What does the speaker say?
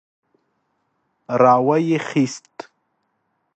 را وايي خيست.